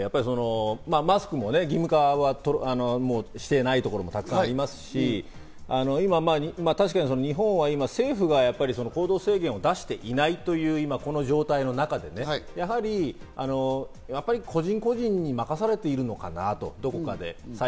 僕も海外のニュースなんかを見ていて、マスクも義務化はもうしていないところもたくさんありますし、今、確かに日本は政府が行動制限を出していないというこの状態の中で、やはり個人個人に任されているのかなと、どこかで。